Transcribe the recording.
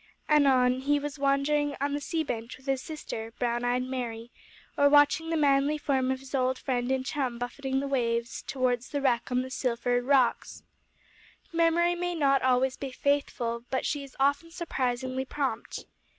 Anon, he was wandering on the sea beach with his sister, brown eyed Mary, or watching the manly form of his old friend and chum buffeting the waves towards the wreck on the Sealford Rocks. Memory may not be always faithful, but she is often surprisingly prompt.